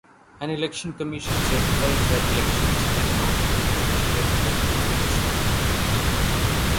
An election commission certifies that elections can not be conducted in the concerned state.